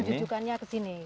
langsung jujukannya ke sini